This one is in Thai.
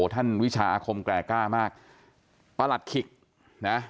วิชาอาคมแกร่กล้ามากประหลัดขิกนะ